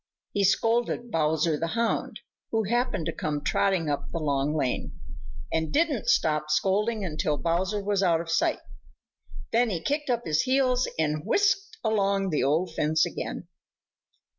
He scolded Bowser the Hound, who happened to come trotting up the Long Lane, and didn't stop scolding until Bowser was out of sight. Then he kicked up his heels and whisked along the old fence again.